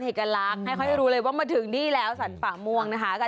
ให้เขาได้รู้เลยว่ามาถึงนี่แล้วสรรป่าม่วงนะคะ